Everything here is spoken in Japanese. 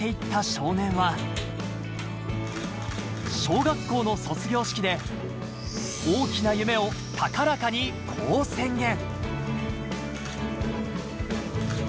少年は小学校の卒業式で大きな夢を高らかに、こう宣言。